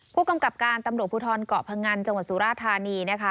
ผู้กำกับการตำรวจภูทรเกาะพงันจังหวัดสุราธานีนะคะ